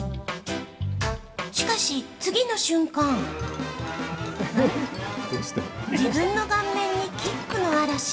しかし、次の瞬間自分の顔面にキックの嵐。